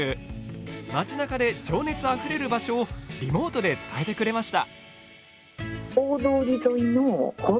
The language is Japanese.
街中で情熱あふれる場所をリモートで伝えてくれました。